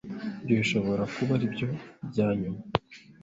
Ibyo bishobora kuba aribyo byanyuma.